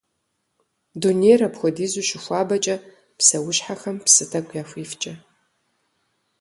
Дунейр апхуэдизу щыхуабэкӏэ, псэущхьэхэм псы тӏэкӏу яхуифкӏэ.